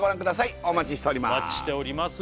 お待ちしております